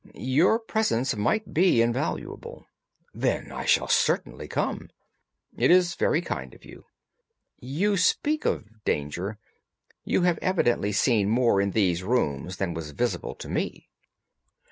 "Your presence might be invaluable." "Then I shall certainly come." "It is very kind of you." "You speak of danger. You have evidently seen more in these rooms than was visible to me."